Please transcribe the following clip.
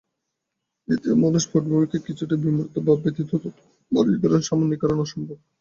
দ্বিতীয়ত মানস পটভূমিকায় কিছুটা বিমূর্ত ভাব ব্যতীত তথ্যগুলির বর্গীকরণ বা সামান্যীকরণ অসম্ভব।